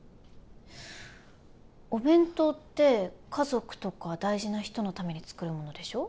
お弁当って家族とか大事な人のために作るものでしょ？